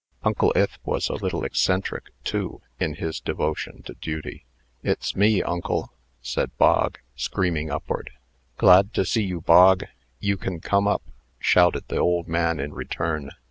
Uncle Ith was a little eccentric, too, in his devotion to duty. "It's me, uncle," said Bog, screaming upward. "Glad to see you, Bog. You can come up," shouted the old man in return.